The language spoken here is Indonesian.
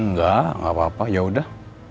enggak enggak apa apa yaudah